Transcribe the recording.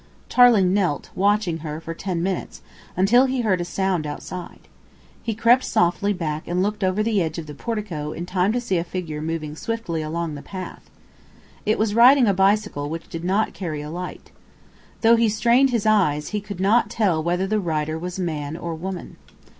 Tarling knelt, watching her, for ten minutes, until he heard a sound outside. He crept softly back and looked over the edge of the portico in time to see a figure moving swiftly along the path. It was riding a bicycle which did not carry a light. Though he strained his eyes, he could not tell whether the rider was man or woman.